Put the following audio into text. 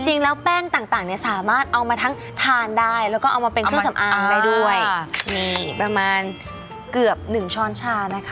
จริงแล้วแป้งต่างเนี่ยสามารถเอามาทั้งทานได้แล้วก็เอามาเป็นเครื่องสำอางได้ด้วยนี่ประมาณเกือบหนึ่งช้อนชานะคะ